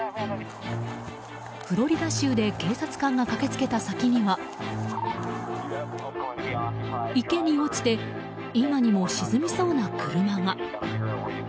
フロリダ州で警察官が駆け付けた先には池に落ちて今にも沈みそうな車が。